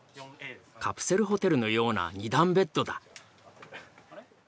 カプセルホテルのような二段ベッドだ。